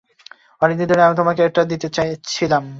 অনেকদিন ধরে তোমাকে এটা দিতে চাচ্ছিলাম।